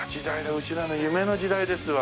うちらの夢の時代ですわ。